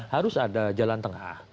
harus ada jalan tengah